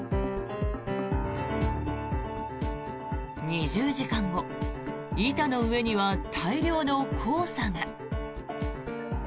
２０時間後板の上には大量の黄砂が。